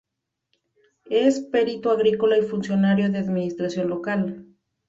Es perito agrícola y funcionario de Administración local.